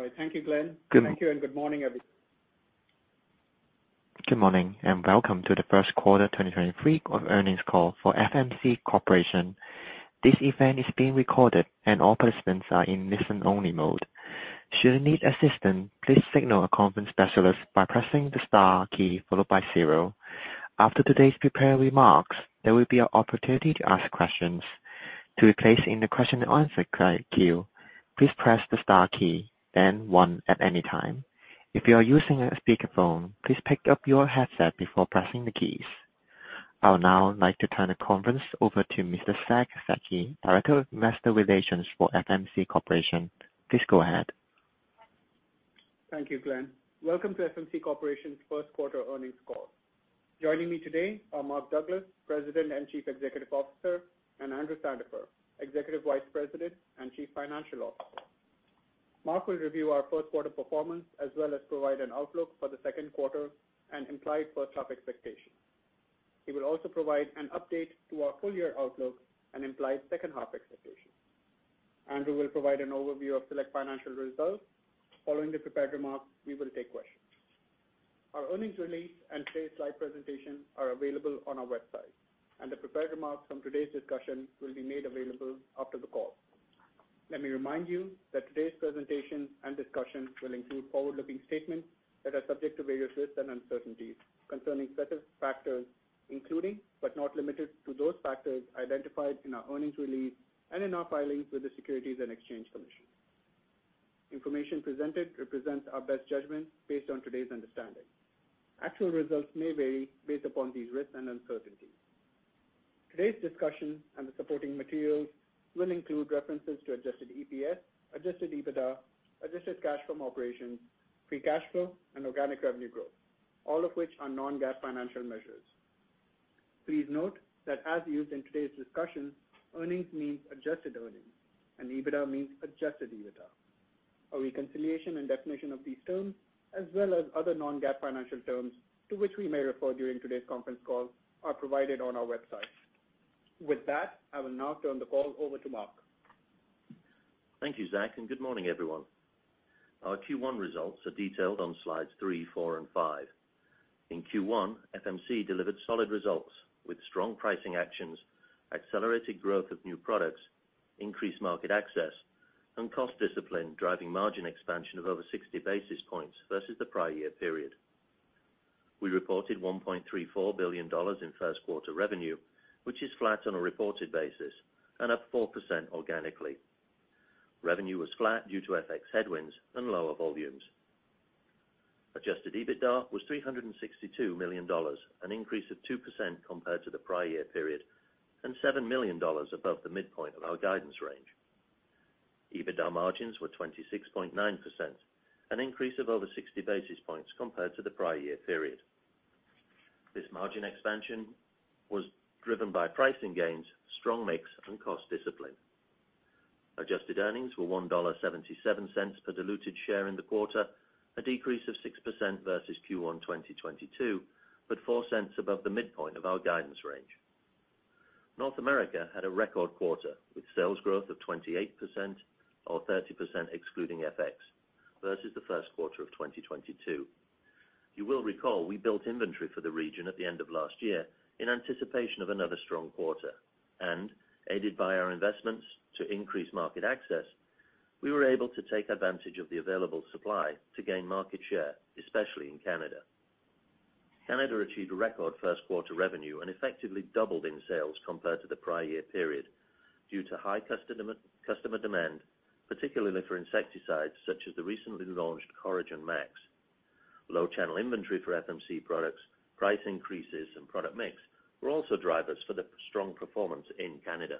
All right. Thank you, Glenn. Thank you. Good morning. Good morning, welcome to the first quarter 2023 earnings call for FMC Corporation. This event is being recorded, and all participants are in listen-only mode. Should you need assistance, please signal a conference specialist by pressing the star key followed by zero. After today's prepared remarks, there will be an opportunity to ask questions. To be placed in the question and answer queue, please press the star key, then one at any time. If you are using a speakerphone, please pick up your headset before pressing the keys. I would now like to turn the conference over to Mr. Abizar Zaki, Director of Investor Relations for FMC Corporation. Please go ahead. Thank you, Glenn. Welcome to FMC Corporation's first quarter earnings call. Joining me today are Mark Douglas, President and Chief Executive Officer, and Andrew Sandifer, Executive Vice President and Chief Financial Officer. Mark will review our first quarter performance as well as provide an outlook for the second quarter and implied first half expectations. He will also provide an update to our full-year outlook and implied second half expectations. Andrew will provide an overview of select financial results. Following the prepared remarks, we will take questions. Our earnings release and today's slide presentation are available on our website, and the prepared remarks from today's discussion will be made available after the call. Let me remind you that today's presentation and discussion will include forward-looking statements that are subject to various risks and uncertainties concerning certain factors, including, but not limited to those factors identified in our earnings release and in our filings with the Securities and Exchange Commission. Information presented represents our best judgment based on today's understanding. Actual results may vary based upon these risks and uncertainties. Today's discussion and the supporting materials will include references to adjusted EPS, adjusted EBITDA, adjusted cash from operations, free cash flow, and organic revenue growth, all of which are non-GAAP financial measures. Please note that as used in today's discussion, earnings means adjusted earnings and EBITDA means adjusted EBITDA. A reconciliation and definition of these terms, as well as other non-GAAP financial terms to which we may refer during today's conference call, are provided on our website. With that, I will now turn the call over to Mark. Thank you, Zaki, and good morning, everyone. Our Q1 results are detailed on slides three, four, and five. In Q1, FMC delivered solid results with strong pricing actions, accelerated growth of new products, increased market access, and cost discipline, driving margin expansion of over 60 basis points versus the prior year period. We reported $1.34 billion in first quarter revenue, which is flat on a reported basis and up 4% organically. Revenue was flat due to FX headwinds and lower volumes. Adjusted EBITDA was $362 million, an increase of 2% compared to the prior year period and $7 million above the midpoint of our guidance range. EBITDA margins were 26.9%, an increase of over 60 basis points compared to the prior year period. This margin expansion was driven by pricing gains, strong mix, and cost discipline. Adjusted earnings were $1.77 per diluted share in the quarter, a decrease of 6% versus Q1 2022, but $0.04 above the midpoint of our guidance range. North America had a record quarter with sales growth of 28% or 30% excluding FX versus the first quarter of 2022. You will recall we built inventory for the region at the end of last year in anticipation of another strong quarter, and aided by our investments to increase market access, we were able to take advantage of the available supply to gain market share, especially in Canada. Canada achieved a record first quarter revenue and effectively doubled in sales compared to the prior year period due to high customer demand, particularly for insecticides such as the recently launched Coragen MaX. Low channel inventory for FMC products, price increases, and product mix were also drivers for the strong performance in Canada.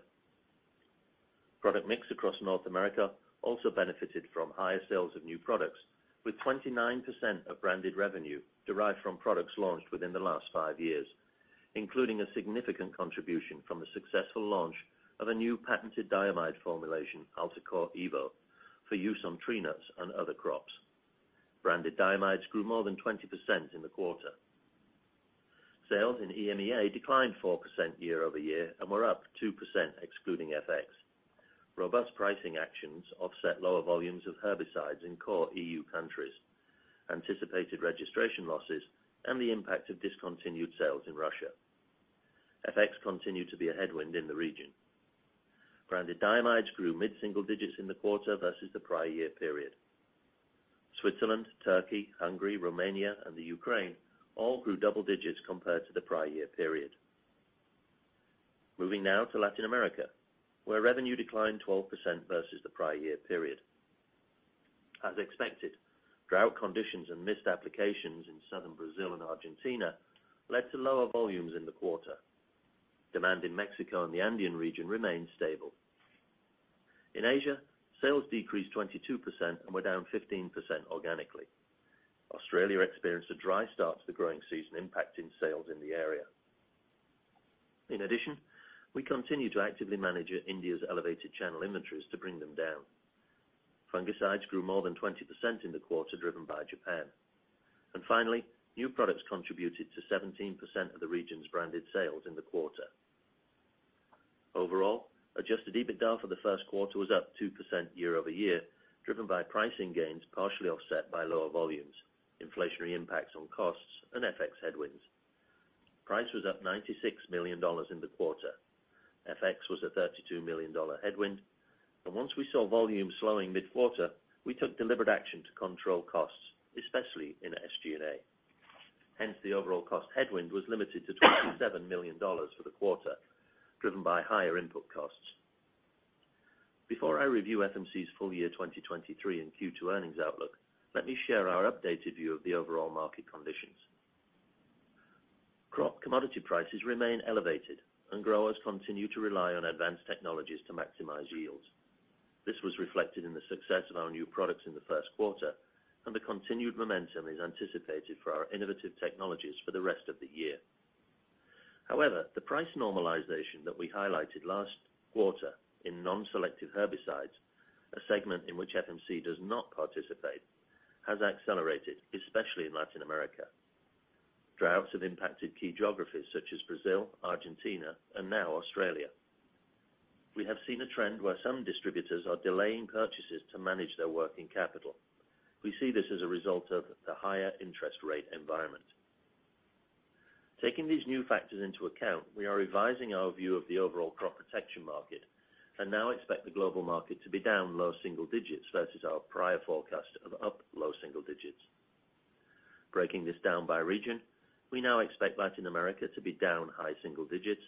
Product mix across North America also benefited from higher sales of new products with 29% of branded revenue derived from products launched within the last five years, including a significant contribution from the successful launch of a new patented diamide formulation, Altacor eVo, for use on tree nuts and other crops. Branded diamides grew more than 20% in the quarter. Sales in EMEA declined 4% year-over-year and were up 2% excluding FX. Robust pricing actions offset lower volumes of herbicides in core EU countries, anticipated registration losses, and the impact of discontinued sales in Russia. FX continued to be a headwind in the region. Branded diamides grew mid-single digits in the quarter versus the prior year period. Switzerland, Turkey, Hungary, Romania, and the Ukraine all grew double digits compared to the prior year period. Moving now to Latin America, where revenue declined 12% versus the prior year period. As expected, drought conditions and missed applications in Southern Brazil and Argentina led to lower volumes in the quarter. Demand in Mexico and the Andean region remained stable. In Asia, sales decreased 22% and were down 15% organically. Australia experienced a dry start to the growing season, impacting sales in the area. In addition, we continue to actively manage India's elevated channel inventories to bring them down. Fungicides grew more than 20% in the quarter, driven by Japan. Finally, new products contributed to 17% of the region's branded sales in the quarter. Overall, adjusted EBITDA for the first quarter was up 2% year-over-year, driven by pricing gains, partially offset by lower volumes, inflationary impacts on costs and FX headwinds. Price was up $96 million in the quarter. FX was a $32 million headwind. Once we saw volume slowing mid-quarter, we took deliberate action to control costs, especially in SG&A. The overall cost headwind was limited to $27 million for the quarter, driven by higher input costs. Before I review FMC's full year 2023 and Q2 earnings outlook, let me share our updated view of the overall market conditions. Crop commodity prices remain elevated and growers continue to rely on advanced technologies to maximize yields. This was reflected in the success of our new products in the first quarter, and the continued momentum is anticipated for our innovative technologies for the rest of the year. However, the price normalization that we highlighted last quarter in non-selective herbicides, a segment in which FMC does not participate, has accelerated, especially in Latin America. Droughts have impacted key geographies such as Brazil, Argentina and now Australia. We have seen a trend where some distributors are delaying purchases to manage their working capital. We see this as a result of the higher interest rate environment. Taking these new factors into account, we are revising our view of the overall crop protection market and now expect the global market to be down low single digits versus our prior forecast of up low single digits. Breaking this down by region, we now expect Latin America to be down high single digits.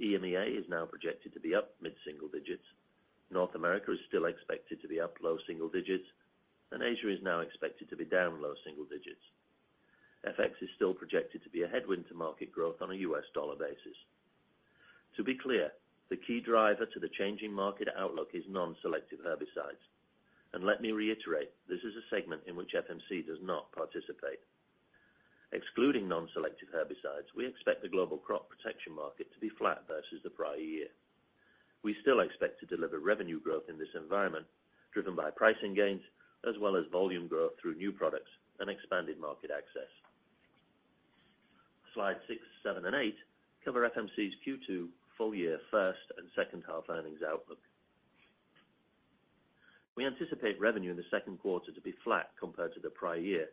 EMEA is now projected to be up mid-single digits. North America is still expected to be up low single digits, Asia is now expected to be down low single digits. FX is still projected to be a headwind to market growth on a US dollar basis. To be clear, the key driver to the changing market outlook is non-selective herbicides. Let me reiterate, this is a segment in which FMC does not participate. Excluding non-selective herbicides, we expect the global crop protection market to be flat versus the prior year. We still expect to deliver revenue growth in this environment, driven by pricing gains as well as volume growth through new products and expanded market access. Slide six, seven and eight cover FMC's Q2 full year first and second half earnings outlook. We anticipate revenue in the second quarter to be flat compared to the prior year,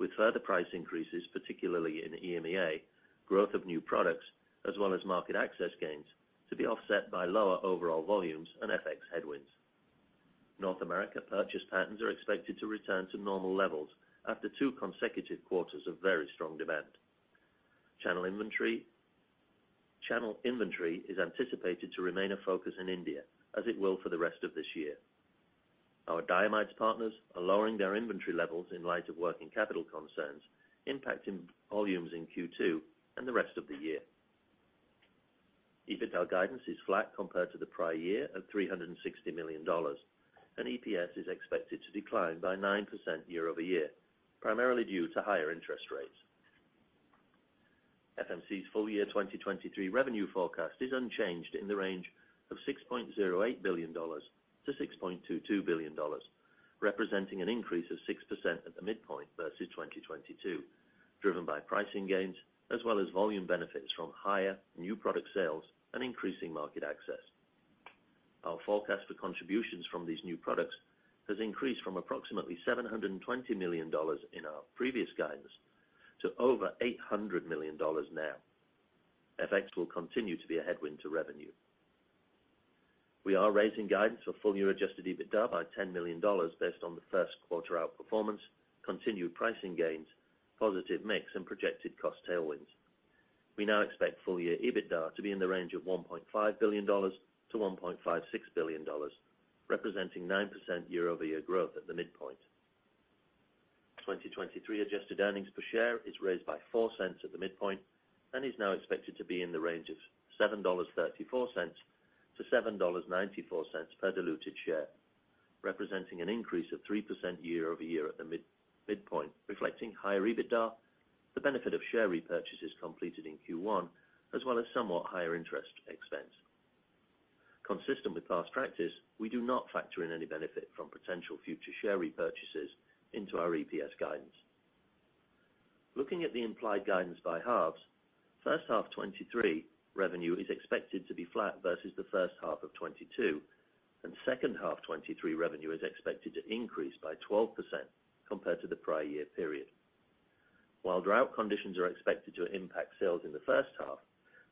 with further price increases, particularly in EMEA, growth of new products as well as market access gains to be offset by lower overall volumes and FX headwinds. North America purchase patterns are expected to return to normal levels after two consecutive quarters of very strong demand. Channel inventory is anticipated to remain a focus in India as it will for the rest of this year. Our diamides partners are lowering their inventory levels in light of working capital concerns, impacting volumes in Q2 and the rest of the year. EBITDA guidance is flat compared to the prior year of $360 million, and EPS is expected to decline by 9% year-over-year, primarily due to higher interest rates. FMC's full year 2023 revenue forecast is unchanged in the range of $6.08 billion-$6.22 billion, representing an increase of 6% at the midpoint versus 2022, driven by pricing gains as well as volume benefits from higher new product sales and increasing market access. Our forecast for contributions from these new products has increased from approximately $720 million in our previous guidance to over $800 million now. FX will continue to be a headwind to revenue. We are raising guidance for full year adjusted EBITDA by $10 million based on the first quarter outperformance, continued pricing gains, positive mix and projected cost tailwinds. We now expect full year EBITDA to be in the range of $1.5 billion-$1.56 billion, representing 9% year-over-year growth at the midpoint. 2023 adjusted EPS is raised by $0.04 at the midpoint and is now expected to be in the range of $7.34-$7.94 per diluted share, representing an increase of 3% year-over-year at the midpoint, reflecting higher EBITDA, the benefit of share repurchases completed in Q1, as well as somewhat higher interest expense. Consistent with past practice, we do not factor in any benefit from potential future share repurchases into our EPS guidance. Looking at the implied guidance by halves. First half 2023 revenue is expected to be flat versus the first half of 2022. Second half 2023 revenue is expected to increase by 12% compared to the prior year period. While drought conditions are expected to impact sales in the first half,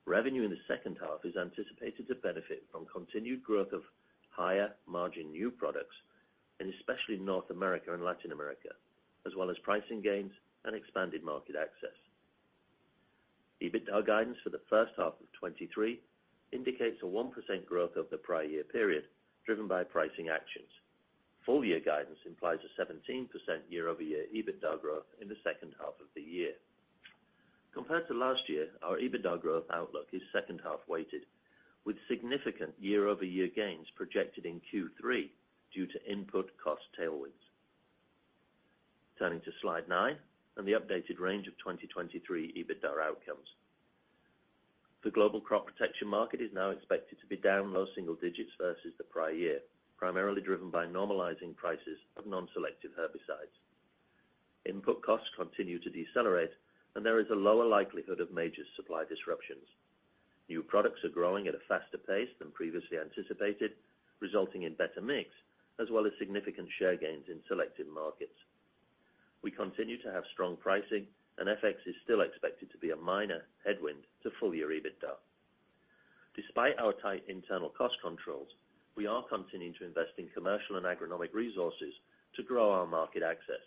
revenue in the second half is anticipated to benefit from continued growth of higher margin new products, and especially North America and Latin America, as well as pricing gains and expanded market access. EBITDA guidance for the first half of 2023 indicates a 1% growth of the prior year period, driven by pricing actions. Full year guidance implies a 17% year-over-year EBITDA growth in the second half of the year. Compared to last year, our EBITDA growth outlook is second half weighted, with significant year-over-year gains projected in Q3 due to input cost tailwinds. Turning to slide nine and the updated range of 2023 EBITDA outcomes. The global crop protection market is now expected to be down low single digits versus the prior year, primarily driven by normalizing prices of non-selective herbicides. Input costs continue to decelerate, and there is a lower likelihood of major supply disruptions. New products are growing at a faster pace than previously anticipated, resulting in better mix as well as significant share gains in selected markets. We continue to have strong pricing, and FX is still expected to be a minor headwind to full-year EBITDA. Despite our tight internal cost controls, we are continuing to invest in commercial and agronomic resources to grow our market access.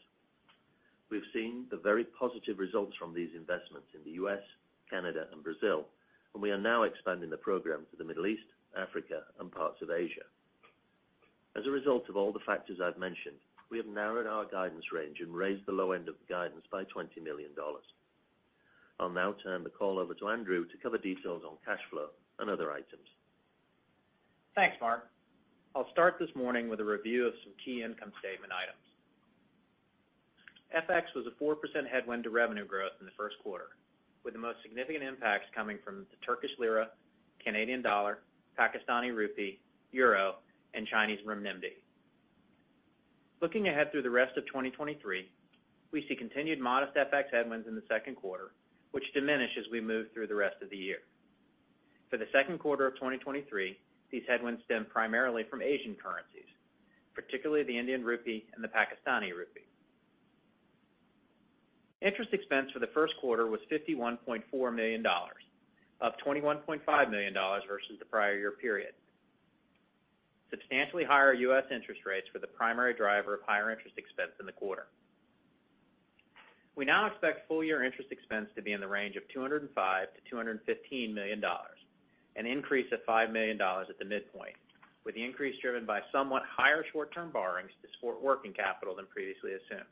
We've seen the very positive results from these investments in the U.S., Canada, and Brazil, and we are now expanding the program to the Middle East, Africa, and parts of Asia. As a result of all the factors I've mentioned, we have narrowed our guidance range and raised the low end of the guidance by $20 million. I'll now turn the call over to Andrew to cover details on cash flow and other items. Thanks, Mark. I'll start this morning with a review of some key income statement items. FX was a 4% headwind to revenue growth in the first quarter, with the most significant impacts coming from the Turkish lira, Canadian dollar, Pakistani rupee, euro, and Chinese renminbi. Looking ahead through the rest of 2023, we see continued modest FX headwinds in the second quarter, which diminish as we move through the rest of the year. For the second quarter of 2023, these headwinds stem primarily from Asian currencies, particularly the Indian rupee and the Pakistani rupee. Interest expense for the first quarter was $51.4 million, up $21.5 million versus the prior year period. Substantially higher U.S. interest rates were the primary driver of higher interest expense in the quarter. We now expect full year interest expense to be in the range of $205 million-$215 million, an increase of $5 million at the midpoint, with the increase driven by somewhat higher short-term borrowings to support working capital than previously assumed.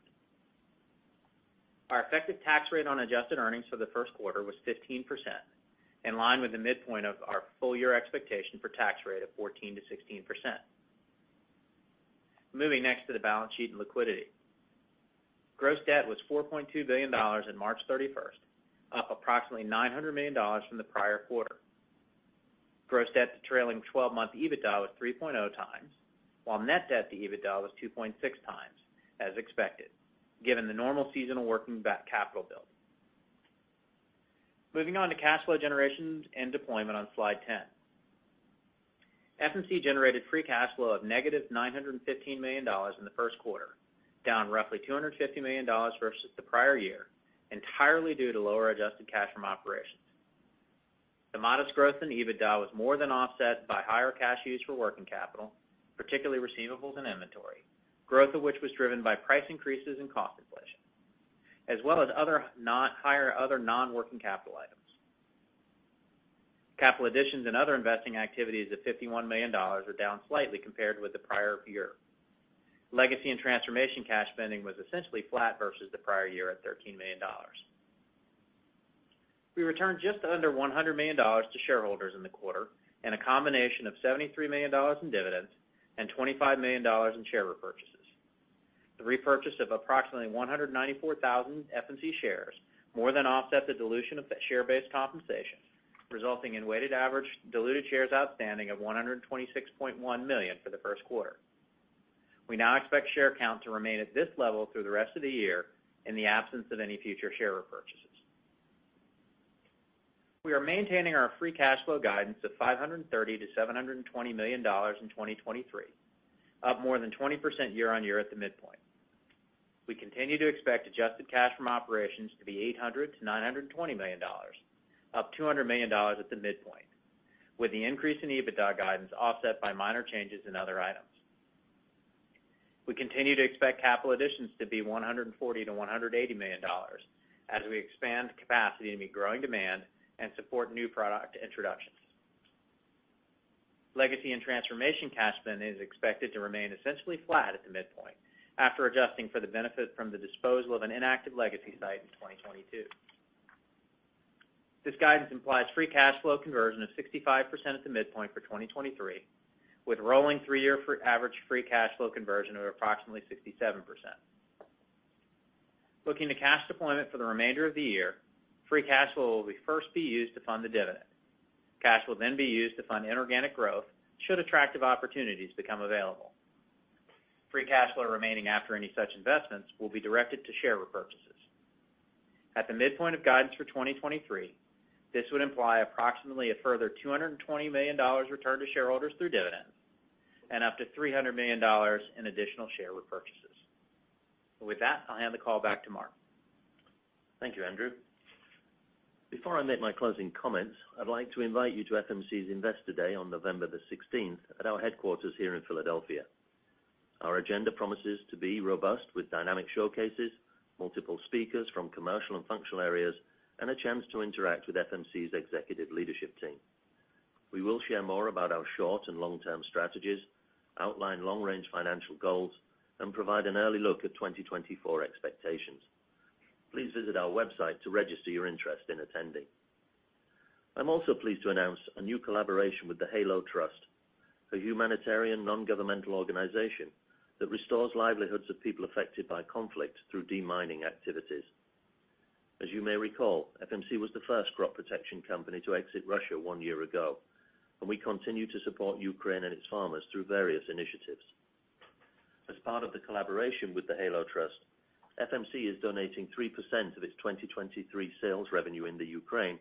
Our effective tax rate on adjusted earnings for the first quarter was 15%, in line with the midpoint of our full year expectation for tax rate of 14%-16%. Moving next to the balance sheet and liquidity. Gross debt was $4.2 billion in March 31st, up approximately $900 million from the prior quarter. Gross debt to trailing twelve-month EBITDA was 3.0 times, while net debt to EBITDA was 2.6x as expected, given the normal seasonal working capital build. Moving on to cash flow generation and deployment on slide 10. FMC generated free cash flow of negative $915 million in the first quarter, down roughly $250 million versus the prior year, entirely due to lower adjusted cash from operations. The modest growth in EBITDA was more than offset by higher cash used for working capital, particularly receivables and inventory, growth of which was driven by price increases and cost inflation, as well as higher other non-working capital items. Capital additions and other investing activities of $51 million are down slightly compared with the prior year. Legacy and transformation cash spending was essentially flat versus the prior year at $13 million. We returned just under $100 million to shareholders in the quarter in a combination of $73 million in dividends and $25 million in share repurchases. The repurchase of approximately 194,000 FMC shares more than offset the dilution of the share-based compensation, resulting in weighted average diluted shares outstanding of 126.1 million for the first quarter. We now expect share count to remain at this level through the rest of the year in the absence of any future share repurchases. We are maintaining our free cash flow guidance of $530 million-$720 million in 2023, up more than 20% year-over-year at the midpoint. We continue to expect adjusted cash from operations to be $800 million-$920 million, up $200 million at the midpoint, with the increase in EBITDA guidance offset by minor changes in other items. We continue to expect capital additions to be $140 million-$180 million as we expand capacity to meet growing demand and support new product introductions. Legacy and transformation cash spend is expected to remain essentially flat at the midpoint after adjusting for the benefit from the disposal of an inactive legacy site in 2022. This guidance implies free cash flow conversion of 65% at the midpoint for 2023, with rolling three-year average free cash flow conversion of approximately 67%. Looking to cash deployment for the remainder of the year, free cash flow will be first be used to fund the dividend. Cash will be used to fund inorganic growth should attractive opportunities become available. Free cash flow remaining after any such investments will be directed to share repurchases. At the midpoint of guidance for 2023, this would imply approximately a further $220 million returned to shareholders through dividends and up to $300 million in additional share repurchases. With that, I'll hand the call back to Mark. Thank you, Andrew. Before I make my closing comments, I'd like to invite you to FMC's Investor Day on November 16th at our headquarters here in Philadelphia. Our agenda promises to be robust with dynamic showcases, multiple speakers from commercial and functional areas, and a chance to interact with FMC's executive leadership team. We will share more about our short and long-term strategies, outline long-range financial goals, and provide an early look at 2024 expectations. Please visit our website to register your interest in attending. I'm also pleased to announce a new collaboration with The HALO Trust, a humanitarian non-governmental organization that restores livelihoods of people affected by conflict through demining activities. As you may recall, FMC was the first crop protection company to exit Russia one year ago, and we continue to support Ukraine and its farmers through various initiatives. As part of the collaboration with The HALO Trust, FMC is donating 3% of its 2023 sales revenue in the Ukraine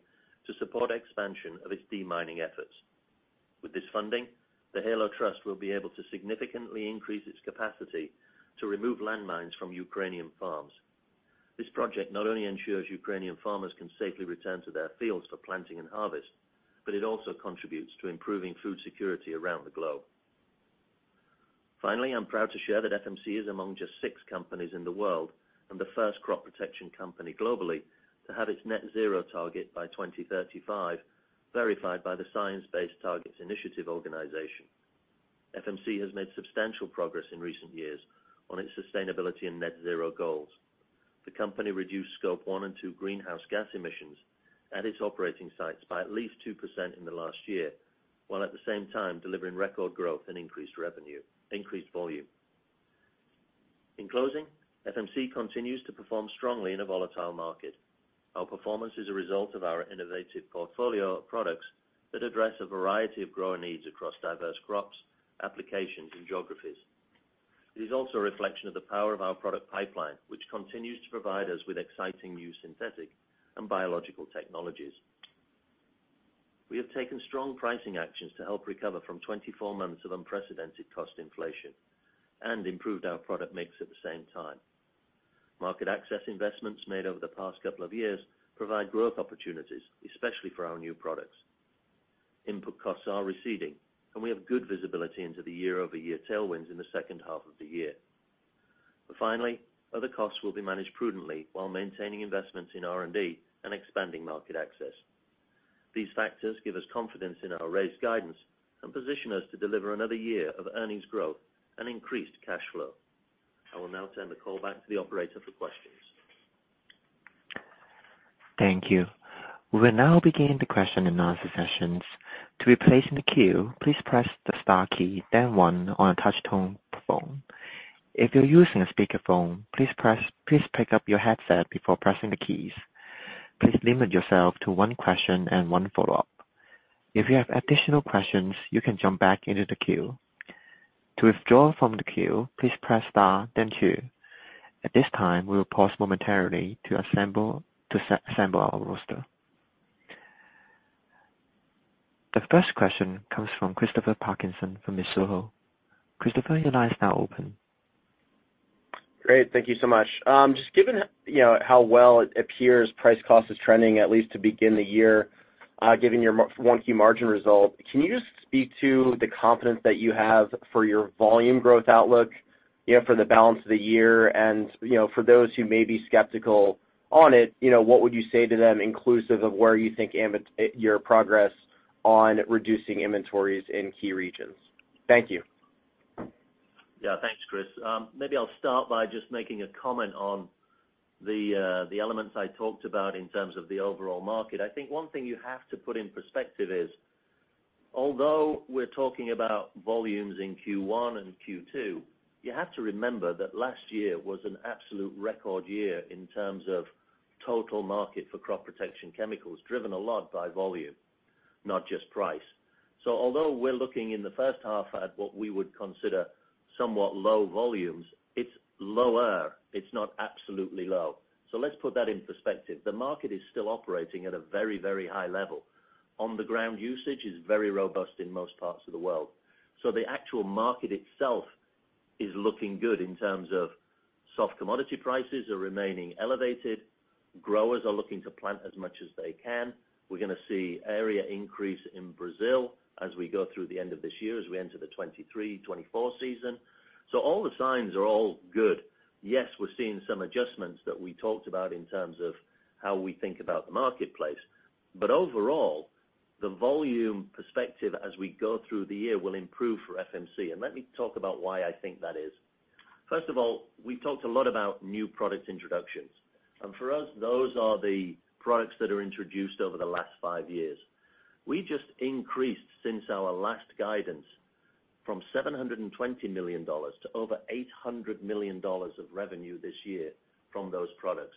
to support expansion of its demining efforts. With this funding, The HALO Trust will be able to significantly increase its capacity to remove landmines from Ukrainian farms. This project not only ensures Ukrainian farmers can safely return to their fields for planting and harvest, but it also contributes to improving food security around the globe. Finally, I'm proud to share that FMC is among just six companies in the world and the first crop protection company globally to have its net-zero target by 2035 verified by the Science Based Targets initiative organization. FMC has made substantial progress in recent years on its sustainability and net-zero goals. The company reduced Scope one and two greenhouse gas emissions at its operating sites by at least 2% in the last year, while at the same time delivering record growth and increased volume. In closing, FMC continues to perform strongly in a volatile market. Our performance is a result of our innovative portfolio of products that address a variety of grower needs across diverse crops, applications, and geographies. It is also a reflection of the power of our product pipeline, which continues to provide us with exciting new synthetic and biological technologies. We have taken strong pricing actions to help recover from 24 months of unprecedented cost inflation and improved our product mix at the same time. Market access investments made over the past couple of years provide growth opportunities, especially for our new products. Input costs are receding, and we have good visibility into the year-over-year tailwinds in the second half of the year. Finally, other costs will be managed prudently while maintaining investments in R&D and expanding market access. These factors give us confidence in our raised guidance and position us to deliver another year of earnings growth and increased cash flow. I will now turn the call back to the operator for questions. Thank you. We will now begin the question and answer sessions. To replace in the queue, please press the star key, then one on a touch-tone phone. If you're using a speakerphone, please pick up your headset before pressing the keys. Please limit yourself to one question and one follow-up. If you have additional questions, you can jump back into the queue. To withdraw from the queue, please press star then two. At this time, we will pause momentarily to assemble our roster. The first question comes from Christopher Parkinson from Mizuho. Christopher, your line is now open. Great. Thank you so much. Just given, you know, how well it appears price cost is trending at least to begin the year, given your 1Q margin result, can you just speak to the confidence that you have for your volume growth outlook, you know, for the balance of the year? You know, for those who may be skeptical on it, you know, what would you say to them inclusive of where you think your progress on reducing inventories in key regions? Thank you. Yeah. Thanks, Chris. Maybe I'll start by just making a comment on the elements I talked about in terms of the overall market. I think one thing you have to put in perspective is, although we're talking about volumes in Q1 and Q2, you have to remember that last year was an absolute record year in terms of total market for crop protection chemicals, driven a lot by volume, not just price. Although we're looking in the first half at what we would consider somewhat low volumes, it's lower. It's not absolutely low. Let's put that in perspective. The market is still operating at a very, very high level. On the ground usage is very robust in most parts of the world. The actual market itself is looking good in terms of soft commodity prices are remaining elevated. Growers are looking to plant as much as they can. We're gonna see area increase in Brazil as we go through the end of this year as we enter the 2023, 2024 season. All the signs are all good. Yes, we're seeing some adjustments that we talked about in terms of how we think about the marketplace. Overall, the volume perspective as we go through the year will improve for FMC. Let me talk about why I think that is. First of all, we talked a lot about new product introductions. For us, those are the products that are introduced over the last five years. We just increased since our last guidance from $720 million to over $800 million of revenue this year from those products.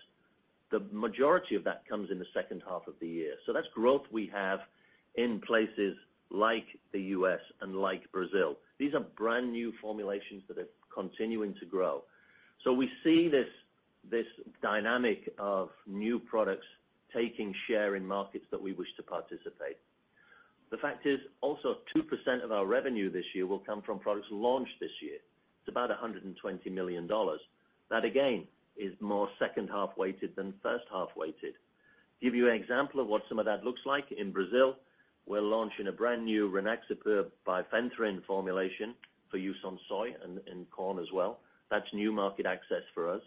The majority of that comes in the second half of the year. That's growth we have in places like the U.S. and like Brazil. These are brand-new formulations that are continuing to grow. We see this dynamic of new products taking share in markets that we wish to participate. The fact is also 2% of our revenue this year will come from products launched this year. It's about $120 million. That, again, is more second half-weighted than first half-weighted. Give you an example of what some of that looks like. In Brazil, we're launching a brand-new Rynaxypyr bifenthrin formulation for use on soy and corn as well. That's new market access for us.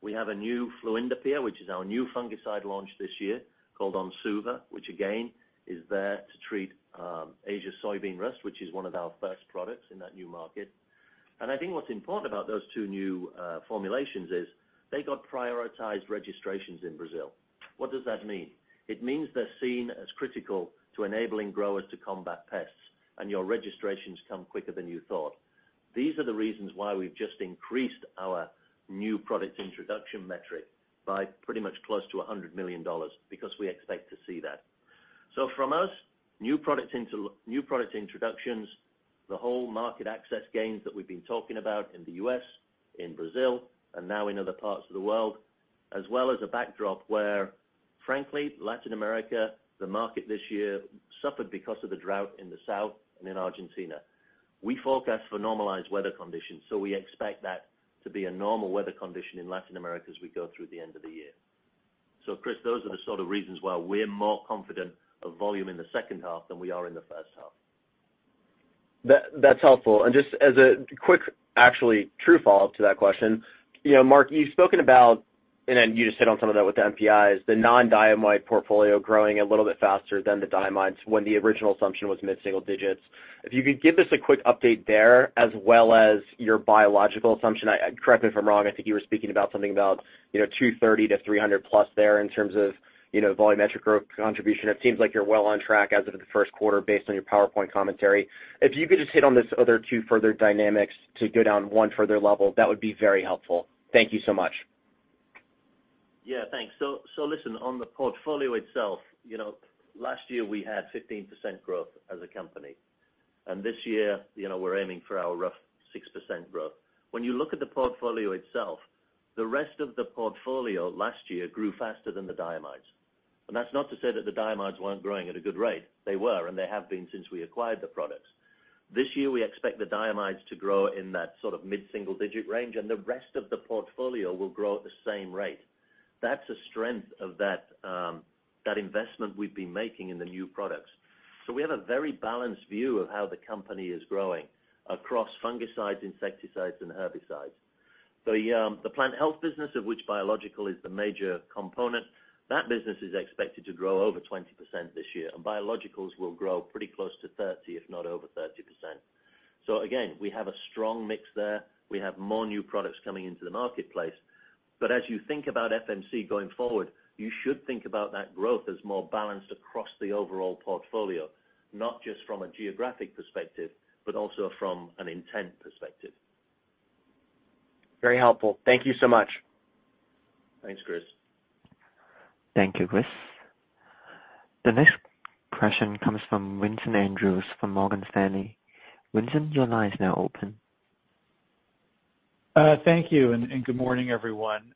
We have a new fluindapyr, which is our new fungicide launch this year called Onsuva, which again, is there to treat Asian soybean rust, which is one of our first products in that new market. I think what's important about those two new formulations is they got prioritized registrations in Brazil. What does that mean? It means they're seen as critical to enabling growers to combat pests, and your registrations come quicker than you thought. These are the reasons why we've just increased our new product introduction metric by pretty much close to $100 million because we expect to see that. From us, new product introductions, the whole market access gains that we've been talking about in the U.S., in Brazil, and now in other parts of the world, as well as a backdrop where, frankly, Latin America, the market this year suffered because of the drought in the south and in Argentina. We forecast for normalized weather conditions. We expect that to be a normal weather condition in Latin America as we go through the end of the year. Chris, those are the sort of reasons why we're more confident of volume in the second half than we are in the first half. That's helpful. Just as a quick, actually true follow-up to that question, you know, Mark, you've spoken about, and then you just hit on some of that with the NPIs, the non-diamide portfolio growing a little bit faster than the diamides when the original assumption was mid-single digits. If you could give us a quick update there as well as your biological assumption. Correct me if I'm wrong, I think you were speaking about something about, you know, 230-300 plus there in terms of, you know, volumetric growth contribution. It seems like you're well on track as of the first quarter based on your PowerPoint commentary. If you could just hit on this other two further dynamics to go down one further level, that would be very helpful. Thank you so much. Yeah, thanks. listen, on the portfolio itself, you know, last year we had 15% growth as a company. This year, you know, we're aiming for our rough 6% growth. When you look at the portfolio itself, the rest of the portfolio last year grew faster than the diamides. That's not to say that the diamides weren't growing at a good rate. They were, and they have been since we acquired the products. This year, we expect the diamides to grow in that sort of mid-single digit range, and the rest of the portfolio will grow at the same rate. That's a strength of that investment we've been making in the new products. We have a very balanced view of how the company is growing across fungicides, insecticides, and herbicides. The plant health business, of which biological is the major component, that business is expected to grow over 20% this year, and biologicals will grow pretty close to 30, if not over 30%. Again, we have a strong mix there. We have more new products coming into the marketplace. As you think about FMC going forward, you should think about that growth as more balanced across the overall portfolio, not just from a geographic perspective, but also from an intent perspective. Very helpful. Thank you so much. Thanks, Chris. Thank you, Chris. The next question comes from Vincent Andrews from Morgan Stanley. Vincent, your line is now open. Thank you, and good morning, everyone.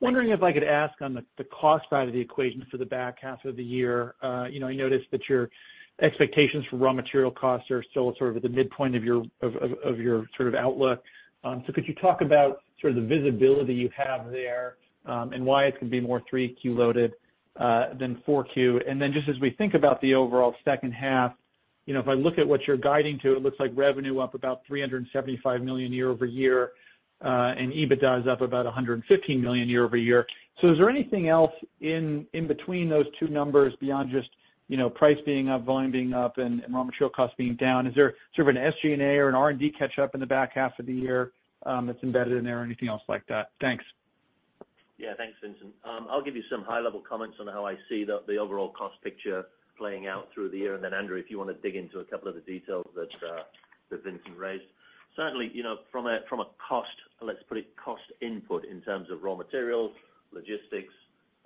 Wondering if I could ask on the cost side of the equation for the back half of the year? You know, I noticed that your expectations for raw material costs are still sort of at the midpoint of your sort of outlook. So could you talk about sort of the visibility you have there, and why it's gonna be more 3Q loaded than 4Q? Just as we think about the overall second half, you know, if I look at what you're guiding to, it looks like revenue up about $375 million year-over-year, and EBITDA is up about $115 million year-over-year. Is there anything else in between those two numbers beyond just, you know, price being up, volume being up, and raw material costs being down? Is there sort of an SG&A or an R&D catch-up in the back half of the year that's embedded in there or anything else like that? Thanks. Yeah. Thanks, Vincent. I'll give you some high-level comments on how I see the overall cost picture playing out through the year. Then Andrew, if you wanna dig into a couple of the details that Vincent raised. Certainly, you know, from a cost, let's put it cost input in terms of raw materials, logistics,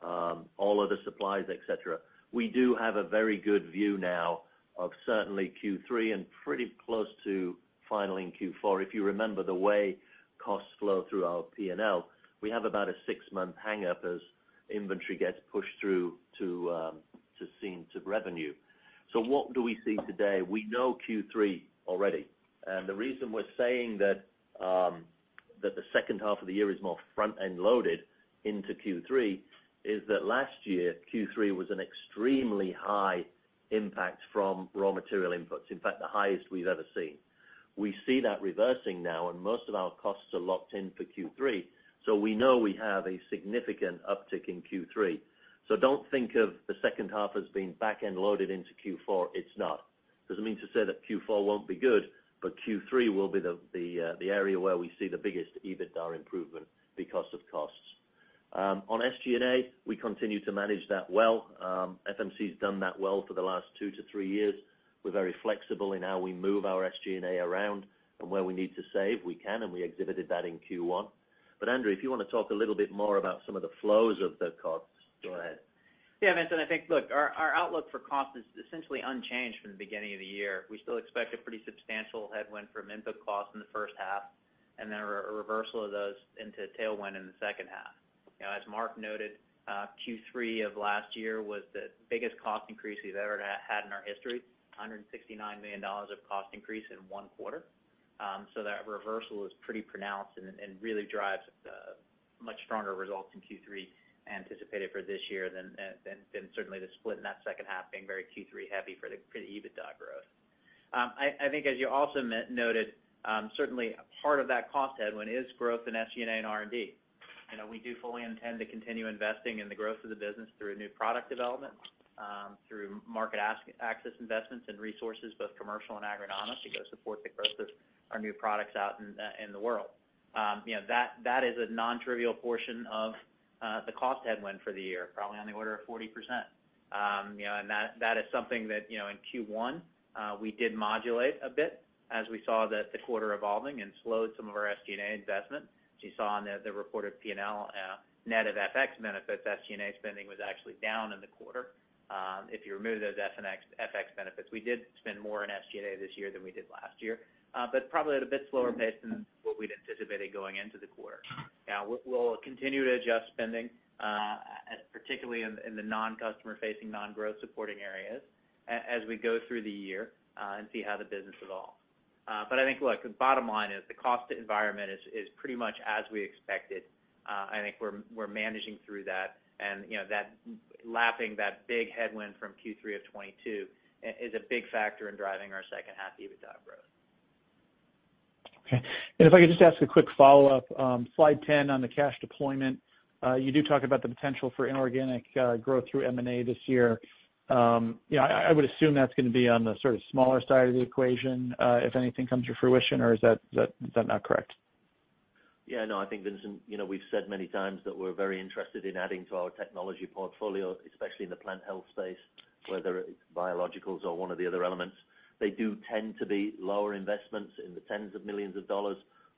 all other supplies, et cetera, we do have a very good view now of certainly Q3 and pretty close to finaling Q4. If you remember the way costs flow through our P&L, we have about a six-month hangup as inventory gets pushed through to revenue. What do we see today? We know Q3 already. The reason we're saying that the second half of the year is more front-end loaded into Q3 is that last year, Q3 was an extremely high impact from raw material inputs. In fact, the highest we've ever seen. We see that reversing now, and most of our costs are locked in for Q3. We know we have a significant uptick in Q3. Don't think of the second half as being back-end loaded into Q4, it's not. Doesn't mean to say that Q4 won't be good, but Q3 will be the area where we see the biggest EBITDA improvement because of costs. On SG&A, we continue to manage that well. FMC's done that well for the last two to three years. We're very flexible in how we move our SG&A around and where we need to save. We can, and we exhibited that in Q1. Andrew, if you wanna talk a little bit more about some of the flows of the costs, go ahead. Yeah, Vincent, I think, look, our outlook for cost is essentially unchanged from the beginning of the year. We still expect a pretty substantial headwind from input costs in the first half and then a reversal of those into tailwind in the second half. You know, as Mark noted, Q3 of last year was the biggest cost increase we've ever had in our history, $169 million of cost increase in one quarter. That reversal is pretty pronounced and really drives much stronger results in Q3 anticipated for this year than certainly the split in that second half being very Q3 heavy for the EBITDA growth. I think as you also noted, certainly part of that cost headwind is growth in SG&A and R&D. You know, we do fully intend to continue investing in the growth of the business through new product development, through market access investments and resources, both commercial and agronomic, to go support the growth of our new products out in the world. You know, that is a nontrivial portion of the cost headwind for the year, probably on the order of 40%. You know, and that is something that, in Q1, we did modulate a bit as we saw the quarter evolving and slowed some of our SG&A investment. As you saw on the reported P&L, net of FX benefits, SG&A spending was actually down in the quarter. If you remove those FX benefits, we did spend more in SG&A this year than we did last year, but probably at a bit slower pace than what we'd anticipated going into the quarter. We'll continue to adjust spending, particularly in the non-customer facing, non-growth supporting areas as we go through the year, and see how the business evolves. But I think look, the bottom line is the cost environment is pretty much as we expected. I think we're managing through that and, you know, that lapping that big headwind from Q3 of 2022 is a big factor in driving our second half EBITDA growth. Okay. If I could just ask a quick follow-up. Slide 10 on the cash deployment. You do talk about the potential for inorganic growth through M&A this year. You know, I would assume that's gonna be on the sort of smaller side of the equation, if anything comes to fruition, or is that not correct? Yeah, no, I think Vincent, you know, we've said many times that we're very interested in adding to our technology portfolio, especially in the plant health space, whether it's biologicals or one of the other elements. They do tend to be lower investments in $10 million,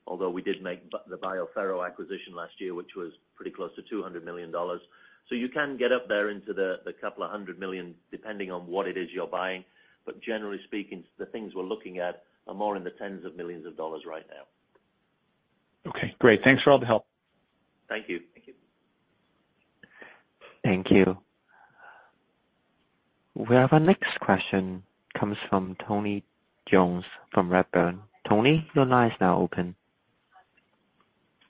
although we did make the BioPhero acquisition last year, which was pretty close to $200 million. You can get up there into the couple of $100 million depending on what it is you're buying. Generally speaking, the things we're looking at are more in the $10 millions right now. Okay, great. Thanks for all the help. Thank you. Thank you. Thank you. We have our next question comes from Tony Jones from Redburn. Tony, your line is now open.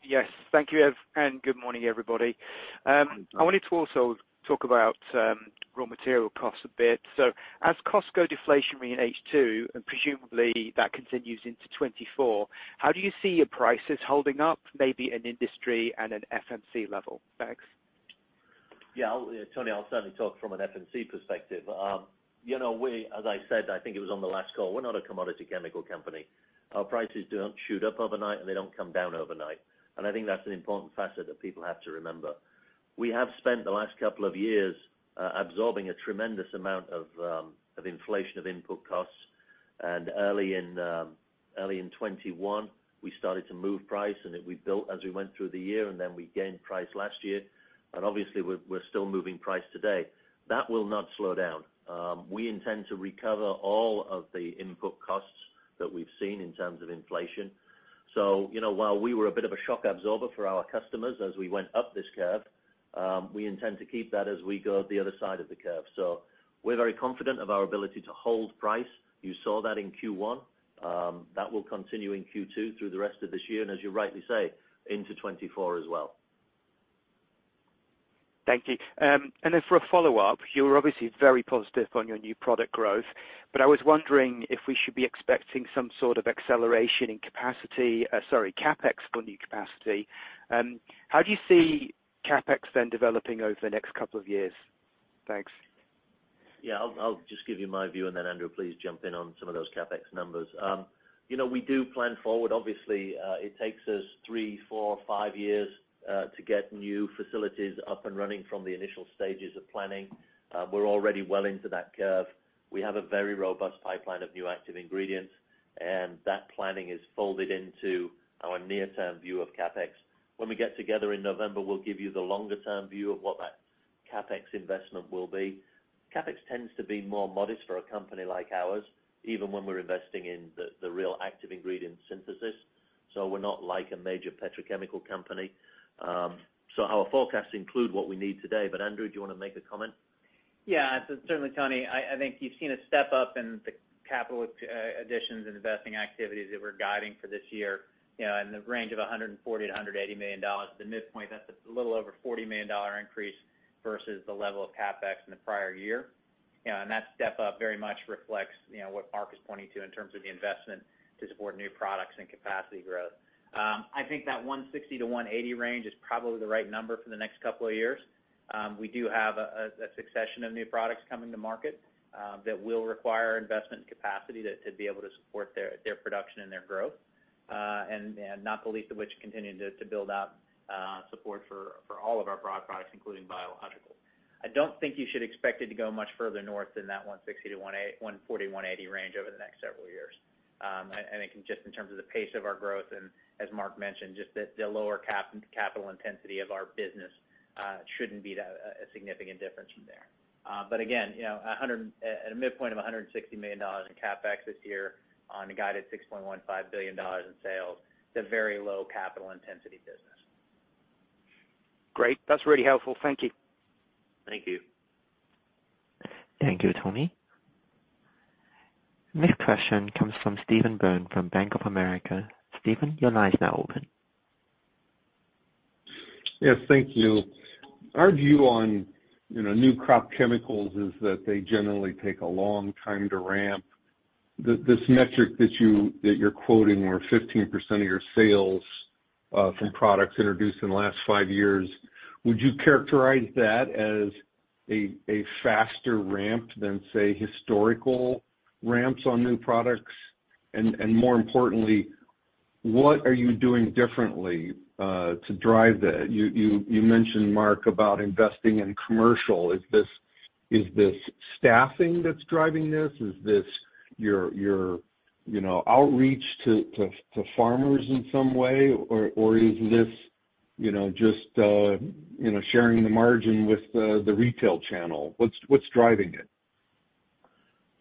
Yes. Thank you, And good morning, everybody. I wanted to also talk about raw material costs a bit. As costs go deflationary in H2, and presumably that continues into 24, how do you see your prices holding up, maybe in industry and an FMC level? Thanks. Yeah, Tony, I'll certainly talk from an FMC perspective. You know, we as I said, I think it was on the last call, we're not a commodity chemical company. Our prices don't shoot up overnight, and they don't come down overnight. I think that's an important facet that people have to remember. We have spent the last couple of years, absorbing a tremendous amount of inflation of input costs. Early in 2021, we started to move price, and we built as we went through the year, and then we gained price last year. Obviously, we're still moving price today. That will not slow down. We intend to recover all of the input costs that we've seen in terms of inflation. You know, while we were a bit of a shock absorber for our customers as we went up this curve, we intend to keep that as we go the other side of the curve. We're very confident of our ability to hold price. You saw that in Q1. That will continue in Q2 through the rest of this year, and as you rightly say, into 2024 as well. Thank you. For a follow-up, you're obviously very positive on your new product growth, but I was wondering if we should be expecting some sort of acceleration in capacity, sorry, CapEx for new capacity. How do you see CapEx then developing over the next couple of years? Thanks. Yeah. I'll just give you my view, then Andrew, please jump in on some of those CapEx numbers. You know, we do plan forward. Obviously, it takes us three, four, five years to get new facilities up and running from the initial stages of planning. We're already well into that curve. We have a very robust pipeline of new active ingredients. That planning is folded into our near-term view of CapEx. When we get together in November, we'll give you the longer-term view of what that CapEx investment will be. CapEx tends to be more modest for a company like ours, even when we're investing in the real active ingredient synthesis. We're not like a major petrochemical company. Our forecasts include what we need today. Andrew, do you wanna make a comment? Certainly, Tony, I think you've seen a step up in the capital additions and investing activities that we're guiding for this year, you know, in the range of $140 million-$180 million. The midpoint, that's a little over $40 million increase versus the level of CapEx in the prior year. That step up very much reflects, you know, what Mark is pointing to in terms of the investment to support new products and capacity growth. I think that $160 million-$180 million range is probably the right number for the next couple of years. We do have a succession of new products coming to market, that will require investment capacity to be able to support their production and their growth, not the least of which continuing to build out support for all of our broad products, including biological. I don't think you should expect it to go much further north than that $140-$180 range over the next several years. I think just in terms of the pace of our growth, and as Mark mentioned, just the lower capital intensity of our business, shouldn't be that a significant difference from there. Again, you know, at a midpoint of $160 million in CapEx this year on a guided $6.15 billion in sales, it's a very low capital intensity business. Great. That's really helpful. Thank you. Thank you. Thank you, Tony. Next question comes from Steve Byrne from Bank of America. Steven, your line is now open. Yes. Thank you. Our view on, you know, new crop chemicals is that they generally take a long time to ramp. This metric that you're quoting where 15% of your sales from products introduced in the last five years, would you characterize that as A faster ramp than, say, historical ramps on new products. More importantly, what are you doing differently to drive that? You mentioned Mark about investing in commercial. Is this staffing that's driving this? Is this your, you know, outreach to farmers in some way? Or is this, you know, just, you know, sharing the margin with the retail channel? What's driving it?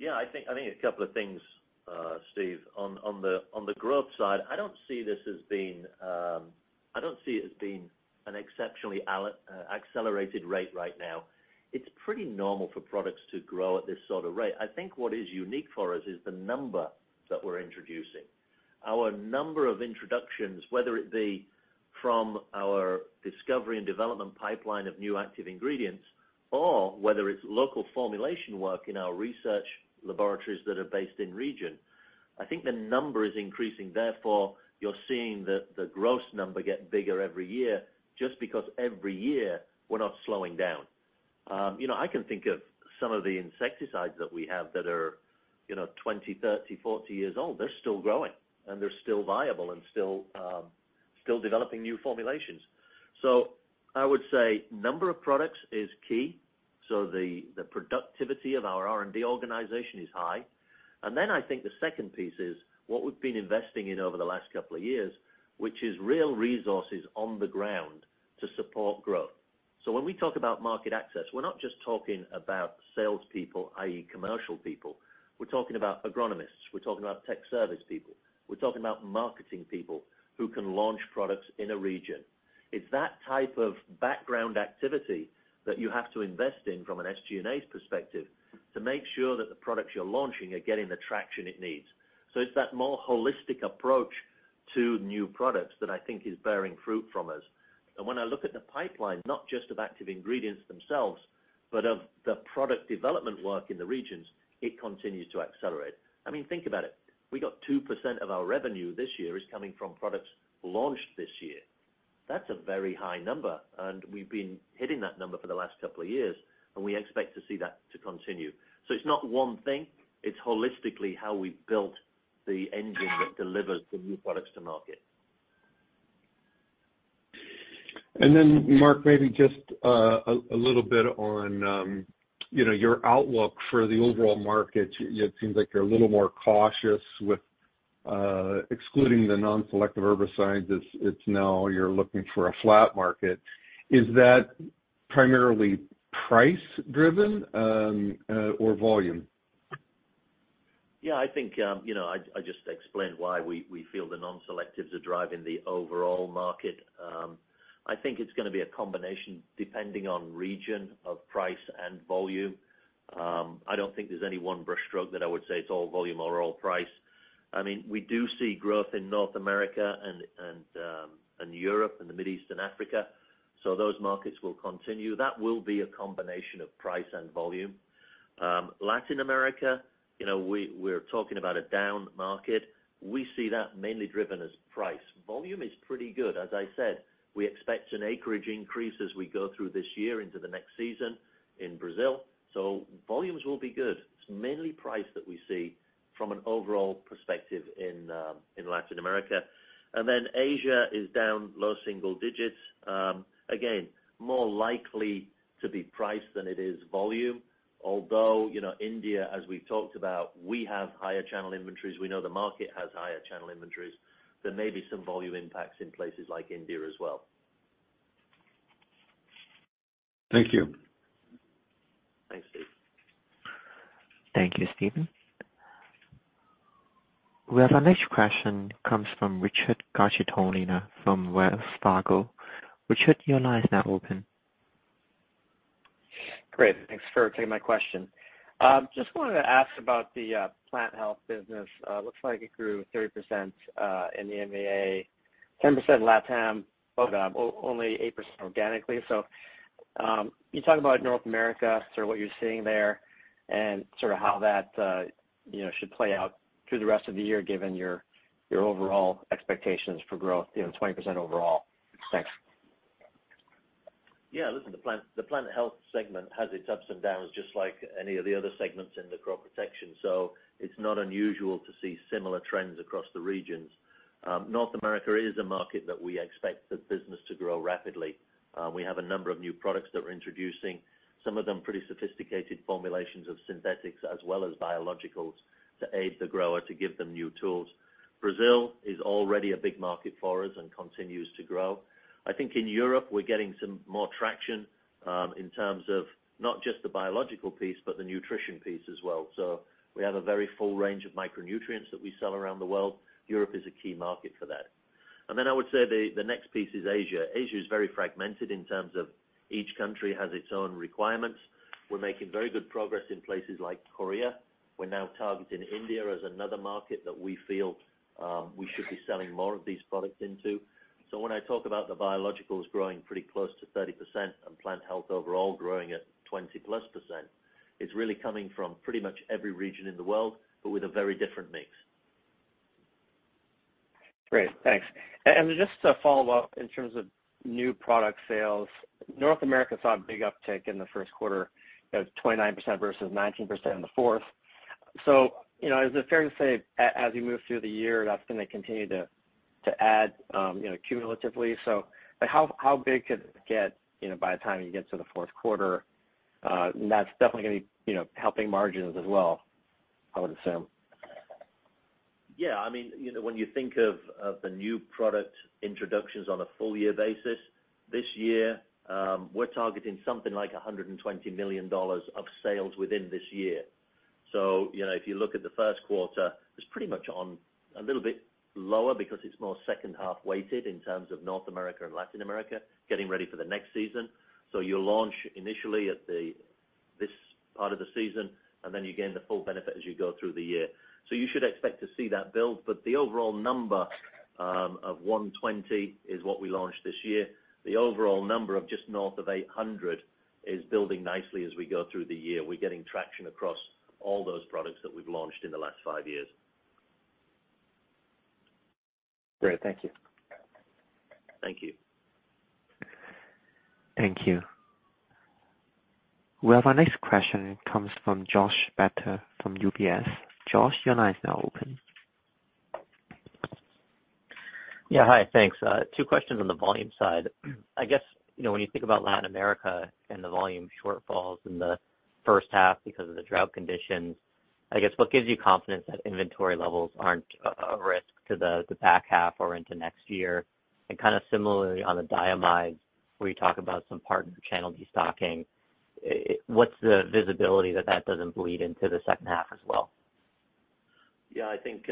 I think a couple of things, Steve. On the growth side, I don't see this as being an exceptionally accelerated rate right now. It's pretty normal for products to grow at this sort of rate. I think what is unique for us is the number that we're introducing. Our number of introductions, whether it be from our discovery and development pipeline of new active ingredients, or whether it's local formulation work in our research laboratories that are based in region. I think the number is increasing, therefore, you're seeing the growth number get bigger every year just because every year we're not slowing down. You know, I can think of some of the insecticides that we have that are, you know, 20, 30, 40 years old. They're still growing, and they're still viable and still developing new formulations. I would say number of products is key. The productivity of our R&D organization is high. I think the second piece is what we've been investing in over the last couple of years, which is real resources on the ground to support growth. When we talk about market access, we're not just talking about salespeople, i.e., commercial people. We're talking about agronomists. We're talking about tech service people. We're talking about marketing people who can launch products in a region. It's that type of background activity that you have to invest in from an SG&A perspective to make sure that the products you're launching are getting the traction it needs. It's that more holistic approach to new products that I think is bearing fruit from us. When I look at the pipeline, not just of active ingredients themselves, but of the product development work in the regions, it continues to accelerate. I mean, think about it. We got 2% of our revenue this year is coming from products launched this year. That's a very high number, and we've been hitting that number for the last couple of years, and we expect to see that to continue. It's not one thing. It's holistically how we built the engine that delivers the new products to market. Mark, maybe just a little bit on, you know, your outlook for the overall market. It seems like you're a little more cautious with excluding the non-selective herbicides. It's now you're looking for a flat market. Is that primarily price-driven or volume? Yeah, I think, you know, I just explained why we feel the non-selectives are driving the overall market. I think it's gonna be a combination depending on region of price and volume. I don't think there's any one brush stroke that I would say it's all volume or all price. I mean, we do see growth in North America and Europe and the Middle East and Africa. Those markets will continue. That will be a combination of price and volume. Latin America, you know, we're talking about a down market. We see that mainly driven as price. Volume is pretty good. As I said, we expect an acreage increase as we go through this year into the next season in Brazil. Volumes will be good. It's mainly price that we see from an overall perspective in Latin America. Asia is down low single digits. Again, more likely to be price than it is volume. Although, you know, India, as we've talked about, we have higher channel inventories. We know the market has higher channel inventories. There may be some volume impacts in places like India as well. Thank you. Thanks, Steve. Thank you, Stephen. Well, our next question comes from Richard Garchitorena from Wells Fargo. Richard, your line is now open. Great. Thanks for taking my question. Just wanted to ask about the plant health business. Looks like it grew 30% in the MEA, 10% LatAm, only 8% organically. Can you talk about North America, sort of what you're seeing there, and sort of how that, you know, should play out through the rest of the year, given your overall expectations for growth, you know, 20% overall? Thanks. Yeah. Listen, the plant, the plant health segment has its ups and downs just like any of the other segments in the crop protection. It's not unusual to see similar trends across the regions. North America is a market that we expect the business to grow rapidly. We have a number of new products that we're introducing, some of them pretty sophisticated formulations of synthetics as well as biologicals to aid the grower to give them new tools. Brazil is already a big market for us and continues to grow. I think in Europe, we're getting some more traction in terms of not just the biological piece, but the nutrition piece as well. We have a very full range of micronutrients that we sell around the world. Europe is a key market for that. I would say the next piece is Asia. Asia is very fragmented in terms of each country has its own requirements. We're making very good progress in places like Korea. We're now targeting India as another market that we feel we should be selling more of these products into. When I talk about the biologicals growing pretty close to 30% and plant health overall growing at 20%+, it's really coming from pretty much every region in the world, but with a very different mix. Great. Thanks. just to follow up in terms of new product sales, North America saw a big uptick in the first quarter. It was 29% versus 19% in the fourth. you know, is it fair to say as we move through the year, that's gonna continue to add, you know, cumulatively? how big could it get, you know, by the time you get to the fourth quarter? that's definitely gonna be, you know, helping margins as well, I would assume. Yeah. I mean, you know, when you think of the new product introductions on a full year basis, this year, we're targeting something like $120 million of sales within this year. You know, if you look at the first quarter, it's pretty much on a little bit lower because it's more second half weighted in terms of North America and Latin America getting ready for the next season. You launch initially at this part of the season, and then you gain the full benefit as you go through the year. You should expect to see that build. The overall number of 120 is what we launched this year. The overall number of just north of $800 million is building nicely as we go through the year. We're getting traction across all those products that we've launched in the last five years. Great. Thank you. Thank you. Thank you. Well, our next question comes from Joshua Spector from UBS. Josh, your line is now open. Yeah. Hi. Thanks. Two questions on the volume side. I guess, you know, when you think about Latin America and the volume shortfalls in the first half because of the drought conditions, I guess what gives you confidence that inventory levels aren't a risk to the back half or into next year? Kind of similarly on the diamides, where you talk about some partner channel destocking, what's the visibility that that doesn't bleed into the second half as well? I think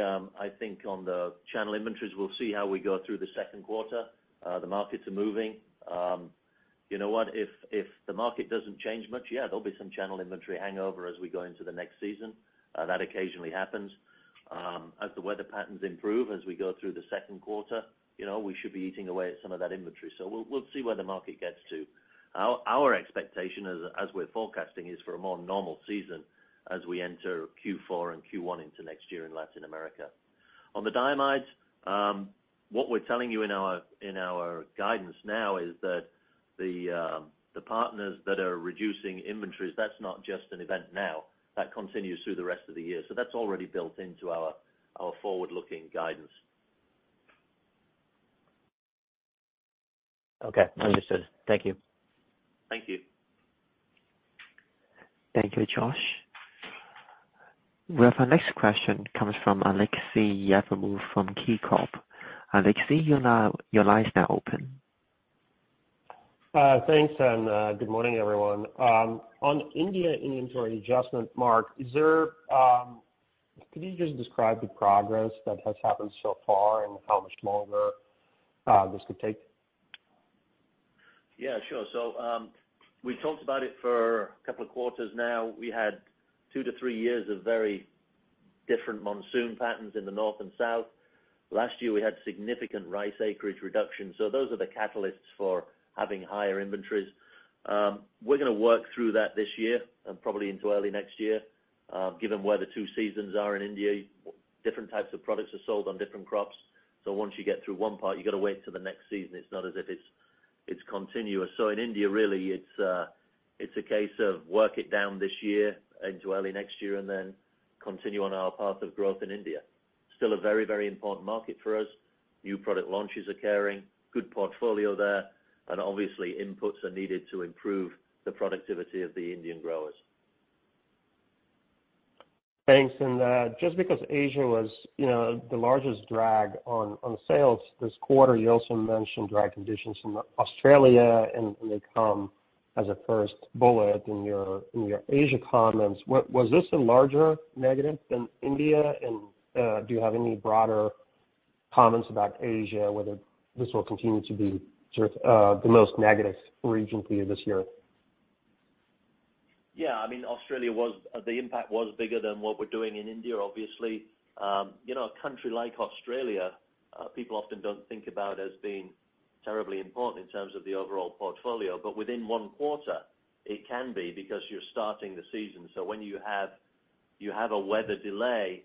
on the channel inventories, we'll see how we go through the second quarter. The markets are moving. You know what, if the market doesn't change much, yeah, there'll be some channel inventory hangover as we go into the next season. That occasionally happens. As the weather patterns improve, as we go through the second quarter, you know, we should be eating away at some of that inventory. We'll see where the market gets to. Our expectation as we're forecasting, is for a more normal season as we enter Q4 and Q1 into next year in Latin America. On the diamides, what we're telling you in our guidance now is that the partners that are reducing inventories, that's not just an event now. That continues through the rest of the year. That's already built into our forward-looking guidance. Okay. Understood. Thank you. Thank you. Thank you, Josh. Well, our next question comes from Aleksey Yefremov from KeyCorp. Aleksey, your line is now open. Thanks. Good morning, everyone. On India inventory adjustment, Mark, could you just describe the progress that has happened so far and how much longer this could take? Yeah, sure. We talked about it for a couple of quarters now. We had two to three years of very different monsoon patterns in the north and south. Last year, we had significant rice acreage reduction. Those are the catalysts for having higher inventories. We're gonna work through that this year and probably into early next year, given where the two seasons are in India, different types of products are sold on different crops. Once you get through one part, you got to wait till the next season. It's not as if it's continuous. In India, really, it's a case of work it down this year into early next year and then continue on our path of growth in India. Still a very, very important market for us. New product launches are carrying, good portfolio there, and obviously inputs are needed to improve the productivity of the Indian growers. Thanks. Just because Asia was, you know, the largest drag on sales this quarter, you also mentioned dry conditions in Australia, and they come as a first bullet in your Asia comments. Was this a larger negative than India? Do you have any broader comments about Asia, whether this will continue to be sort of, the most negative region for you this year? I mean, Australia was the impact was bigger than what we're doing in India, obviously. you know, a country like Australia, people often don't think about as being terribly important in terms of the overall portfolio, but within one quarter, it can be because you're starting the season. when you have a weather delay,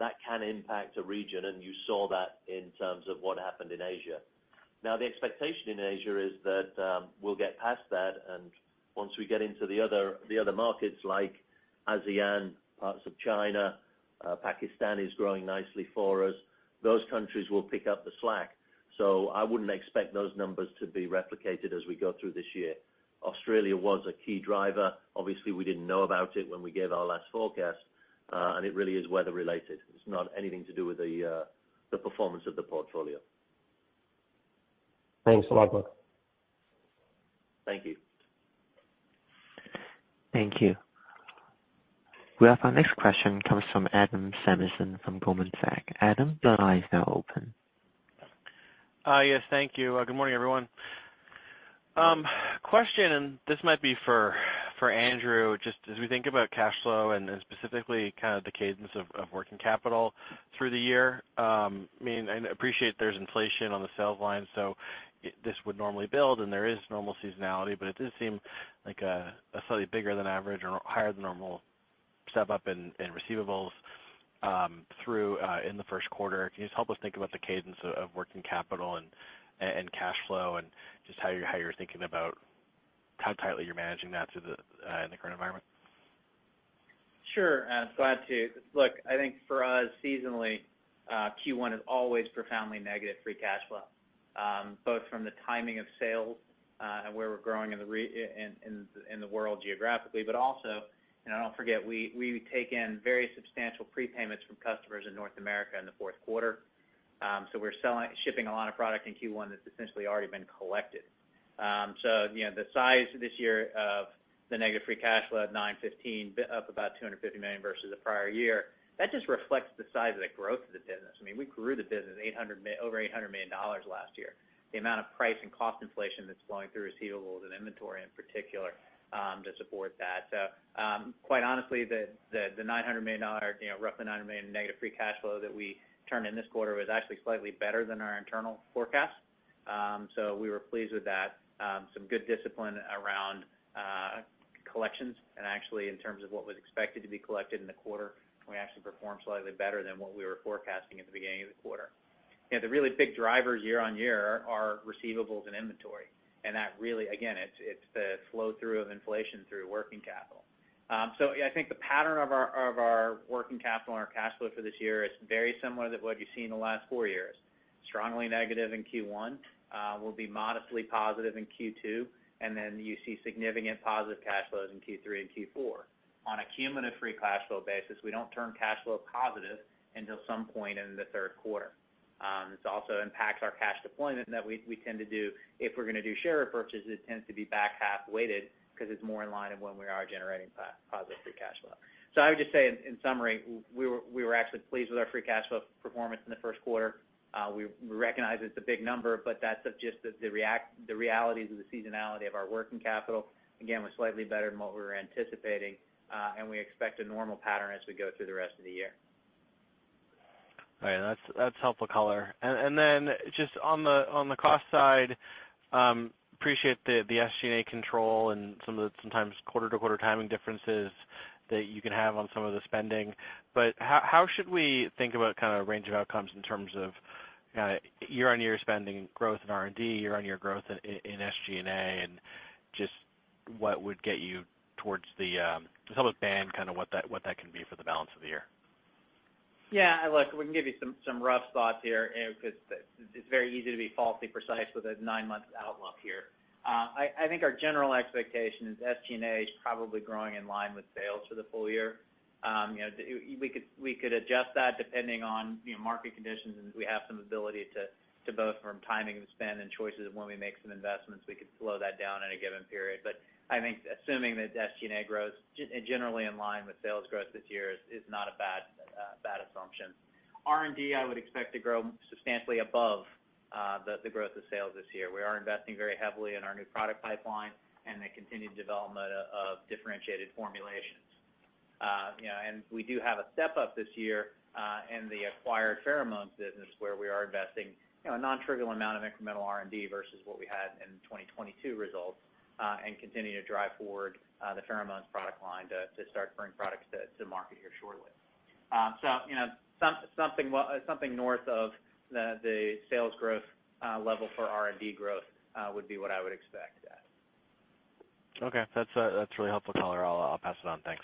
that can impact a region, and you saw that in terms of what happened in Asia. The expectation in Asia is that we'll get past that, and once we get into the other markets like ASEAN, parts of China, Pakistan is growing nicely for us, those countries will pick up the slack. I wouldn't expect those numbers to be replicated as we go through this year. Australia was a key driver. Obviously, we didn't know about it when we gave our last forecast, it really is weather related. It's not anything to do with the performance of the portfolio. Thanks a lot, Mark. Thank you. Thank you. Well, our next question comes from Adam Samuelson from Goldman Sachs. Adam, your line is now open. Yes. Thank you. Good morning, everyone. Question, and this might be for Andrew, just as we think about cash flow and then specifically kind of the cadence of working capital through the year, I mean, I appreciate there's inflation on the sales line, so this would normally build and there is normal seasonality, but it does seem like a slightly bigger than average or higher than normal. Step up in receivables, through in the first quarter. Can you just help us think about the cadence of working capital and cash flow and just how you're thinking about how tightly you're managing that through in the current environment? Sure. Glad to. Look, I think for us seasonally, Q1 is always profoundly negative free cash flow, both from the timing of sales, and where we're growing in the world geographically, also, you know, don't forget we take in very substantial prepayments from customers in North America in the fourth quarter. We're shipping a lot of product in Q1 that's essentially already been collected. You know, the size this year of the negative free cash flow at $915, up about $250 million versus the prior year, that just reflects the size of the growth of the business. I mean, we grew the business over $800 million last year. The amount of price and cost inflation that's flowing through receivables and inventory in particular, to support that. Quite honestly, the $900 million, you know, roughly $900 million negative free cash flow that we turned in this quarter was actually slightly better than our internal forecast. We were pleased with that. Some good discipline around collections. In terms of what was expected to be collected in the quarter, we actually performed slightly better than what we were forecasting at the beginning of the quarter. You know, the really big drivers year-on-year are receivables and inventory, and that really. Again, it's the flow-through of inflation through working capital. I think the pattern of our working capital and our cash flow for this year is very similar to what you've seen in the last four years. Strongly negative in Q1, we'll be modestly positive in Q2, and you see significant positive cash flows in Q3 and Q4. On a cumulative free cash flow basis, we don't turn cash flow positive until some point in the third quarter. This also impacts our cash deployment that we tend to do. If we're gonna do share repurchases, it tends to be back half weighted because it's more in line of when we are generating positive free cash flow. I would just say in summary, we were actually pleased with our free cash flow performance in the first quarter. We recognize it's a big number, but that's just the realities of the seasonality of our working capital. Again, was slightly better than what we were anticipating, and we expect a normal pattern as we go through the rest of the year. All right. That's helpful color. Then just on the cost side, appreciate the SG&A control and some of the sometimes quarter-to-quarter timing differences that you can have on some of the spending. How should we think about kind of range of outcomes in terms of year-on-year spending growth in R&D, year-on-year growth in SG&A, and just what would get you towards the just help with band kind of what that can be for the balance of the year? Yeah. Look, we can give you some rough thoughts here, 'cause it's very easy to be falsely precise with a nine-month outlook here. I think our general expectation is SG&A is probably growing in line with sales for the full year. You know, we could, we could adjust that depending on, you know, market conditions, and we have some ability to both from timing of spend and choices of when we make some investments, we could slow that down in a given period. I think assuming that SG&A grows generally in line with sales growth this year is not a bad assumption. R&D, I would expect to grow substantially above the growth of sales this year. We are investing very heavily in our new product pipeline and the continued development of differentiated formulations. You know, and we do have a step-up this year, in the acquired pheromones business where we are investing, you know, a non-trivial amount of incremental R&D versus what we had in the 2022 results, and continuing to drive forward, the pheromones product line to start bringing products to market here shortly. You know, something north of the sales growth level for R&D growth would be what I would expect, yeah. Okay. That's really helpful color. I'll pass it on. Thanks.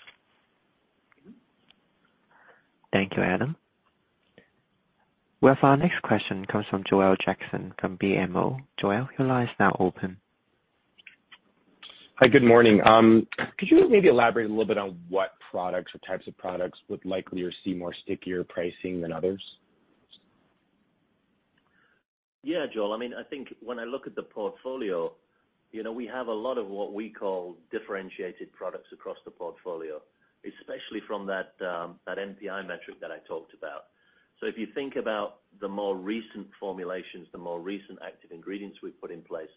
Thank you, Adam. Well, our next question comes from Joel Jackson from BMO. Joel, your line is now open. Hi, good morning. Could you just maybe elaborate a little bit on what products or types of products would likelier see more stickier pricing than others? Yeah, Joel. I mean, I think when I look at the portfolio, you know, we have a lot of what we call differentiated products across the portfolio, especially from that NPI metric that I talked about. If you think about the more recent formulations, the more recent active ingredients we've put in place,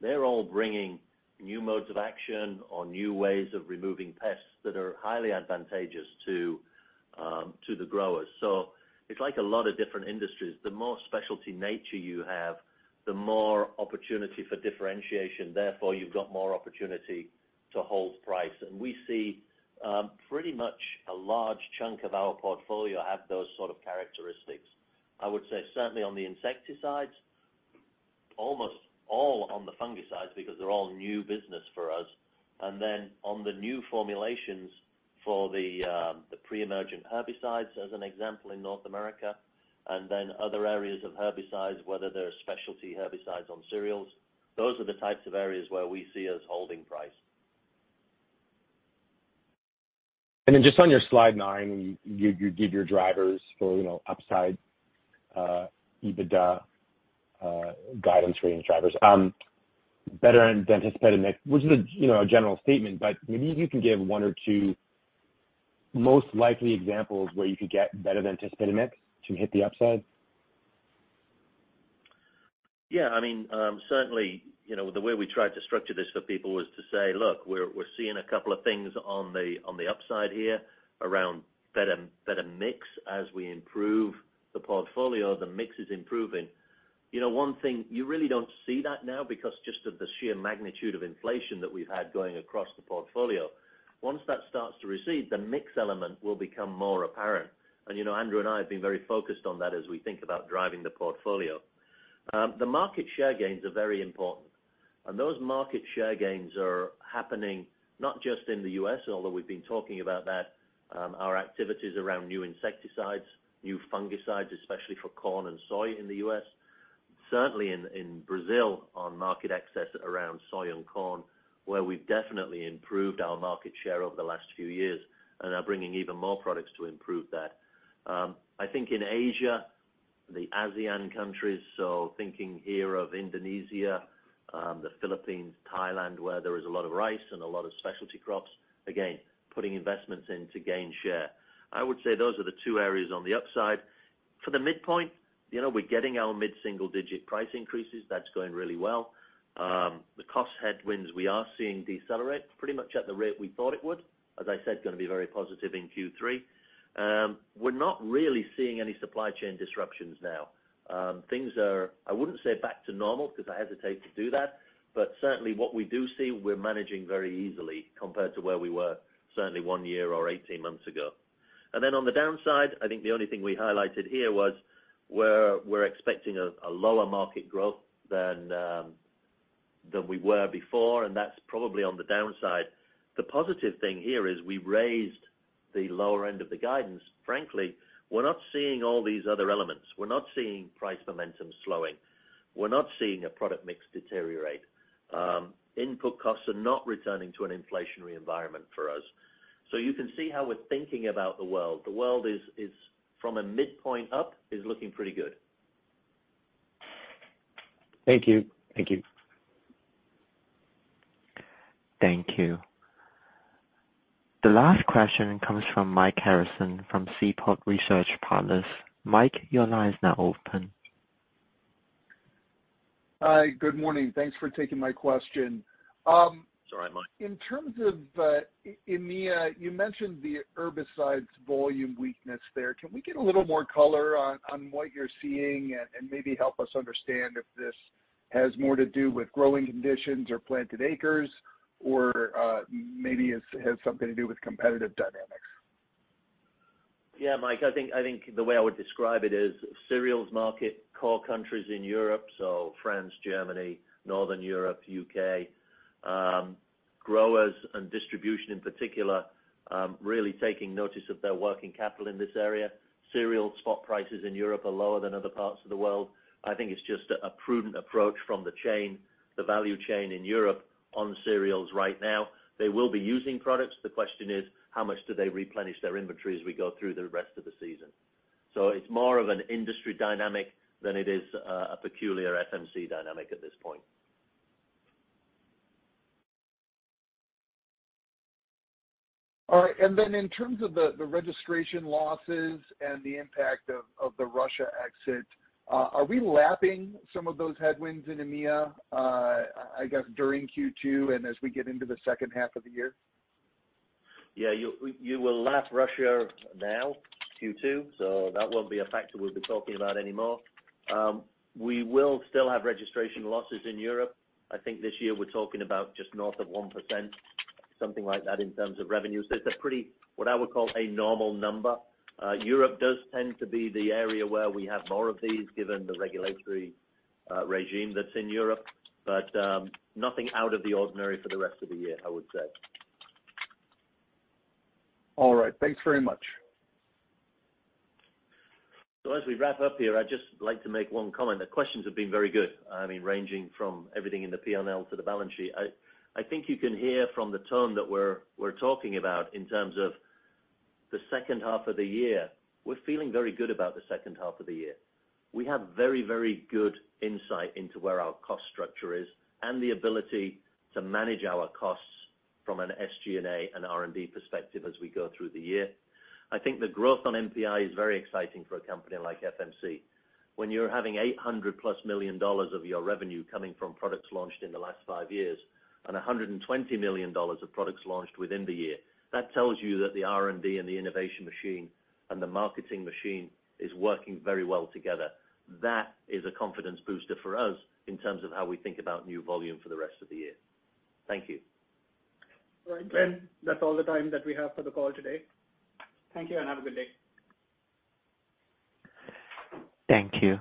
they're all bringing new modes of action or new ways of removing pests that are highly advantageous to the growers. It's like a lot of different industries. The more specialty nature you have, the more opportunity for differentiation, therefore, you've got more opportunity to hold price. We see pretty much a large chunk of our portfolio have those sort of characteristics. I would say certainly on the insecticides, almost all on the fungicides because they're all new business for us. On the new formulations for the pre-emergent herbicides, as an example in North America, and then other areas of herbicides, whether they're specialty herbicides on cereals, those are the types of areas where we see us holding price. Just on your slide slide, when you give your drivers for, you know, upside, EBITDA, guidance for any drivers, better than anticipated mix, which is a, you know, a general statement, but maybe if you can give one or two most likely examples where you could get better than anticipated mix to hit the upside? Yeah. I mean, certainly, you know, the way we tried to structure this for people was to say, "Look, we're seeing a couple of things on the, on the upside here around better mix. As we improve the portfolio, the mix is improving." You know, one thing, you really don't see that now because just of the sheer magnitude of inflation that we've had going across the portfolio. Once that starts to recede, the mix element will become more apparent. You know, Andrew and I have been very focused on that as we think about driving the portfolio. The market share gains are very important. Those market share gains are happening not just in the U.S., although we've been talking about that, our activities around new insecticides, new fungicides, especially for corn and soy in the U.S. Certainly in Brazil, on market access around soy and corn, where we've definitely improved our market share over the last few years and are bringing even more products to improve that. I think in Asia, the ASEAN countries, so thinking here of Indonesia, the Philippines, Thailand, where there is a lot of rice and a lot of specialty crops, again, putting investments in to gain share. I would say those are the two areas on the upside. For the midpoint, you know, we're getting our mid-single digit price increases. That's going really well. The cost headwinds we are seeing decelerate pretty much at the rate we thought it would, as I said, gonna be very positive in Q3. We're not really seeing any supply chain disruptions now. Things are, I wouldn't say back to normal because I hesitate to do that, but certainly what we do see, we're managing very easily compared to where we were certainly one year or 18 months ago. Then on the downside, I think the only thing we highlighted here was where we're expecting a lower market growth than we were before, and that's probably on the downside. The positive thing here is we raised the lower end of the guidance. Frankly, we're not seeing all these other elements. We're not seeing price momentum slowing. We're not seeing a product mix deteriorate. Input costs are not returning to an inflationary environment for us. You can see how we're thinking about the world. The world is from a midpoint up, is looking pretty good. Thank you. Thank you. Thank you. The last question comes from Mike Harrison from Seaport Research Partners. Mike, your line is now open. Hi. Good morning. Thanks for taking my question. Sorry, Mike. In terms of EMEA, you mentioned the herbicides volume weakness there. Can we get a little more color on what you're seeing and maybe help us understand if this has more to do with growing conditions or planted acres or maybe has something to do with competitive dynamics? Yeah, Mike, I think the way I would describe it is cereals market core countries in Europe, so France, Germany, Northern Europe, U.K., growers and distribution in particular, really taking notice of their working capital in this area. Cereal spot prices in Europe are lower than other parts of the world. I think it's just a prudent approach from the chain, the value chain in Europe on cereals right now. They will be using products. The question is, how much do they replenish their inventory as we go through the rest of the season? It's more of an industry dynamic than it is a peculiar FMC dynamic at this point. All right. In terms of the registration losses and the impact of the Russia exit, are we lapping some of those headwinds in EMEA, I guess during Q2 and as we get into the second half of the year? Yeah, you will lap Russia now, Q2, so that won't be a factor we'll be talking about anymore. We will still have registration losses in Europe. I think this year we're talking about just north of 1%, something like that, in terms of revenue. It's a pretty, what I would call a normal number. Europe does tend to be the area where we have more of these, given the regulatory regime that's in Europe. Nothing out of the ordinary for the rest of the year, I would say. All right. Thanks very much. As we wrap up here, I'd just like to make one comment. The questions have been very good. I mean, ranging from everything in the P&L to the balance sheet. I think you can hear from the tone that we're talking about in terms of the second half of the year. We're feeling very good about the second half of the year. We have very good insight into where our cost structure is and the ability to manage our costs from an SG&A and R&D perspective as we go through the year. I think the growth on NPI is very exciting for a company like FMC. When you're having $800+ million of your revenue coming from products launched in the last five years and $120 million of products launched within the year, that tells you that the R&D and the innovation machine and the marketing machine is working very well together. That is a confidence booster for us in terms of how we think about new volume for the rest of the year. Thank you. All right. Glenn, that's all the time that we have for the call today. Thank you, and have a good day. Thank you.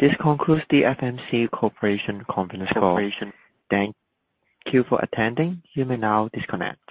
This concludes the FMC Corporation conference call. Thank you for attending. You may now disconnect.